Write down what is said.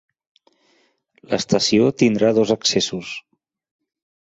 L'estació tindrà dos accessos.